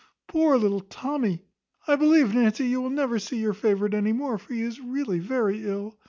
Poor little Tommy! I believe, Nancy, you will never see your favourite any more; for he is really very ill.